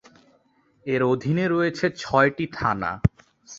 এর অধীনে রয়েছে ছয়টি থানা।